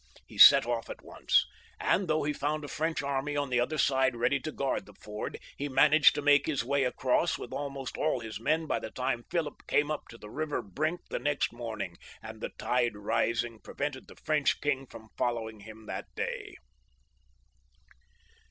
He set off at once, and though he found a French army on the other side ready to guard the ford, he managed to make his way across with almost all his men by the time Philip came up to the river brink the next morning, and the tide rising prevented the French king from following him that day.